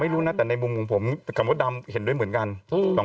ไม่รู้นะแต่ในมุมของผมกับมดดำเห็นด้วยเหมือนกัน